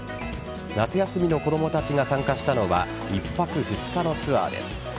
夏休みの子供たちが参加したのは１泊２日のツアーです。